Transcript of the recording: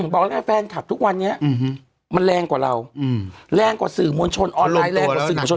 บอกแล้วแฟนคลับทุกวันนี้มันแรงกว่าเราแรงกว่าสื่อมวลชนออนไลน์แรงกว่าสื่อมวลชน